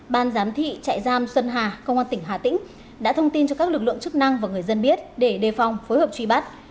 ban giám thị trại giam xuân hà công an tỉnh hà tĩnh đã thông tin cho các lực lượng chức năng và người dân biết để đề phòng phối hợp truy bắt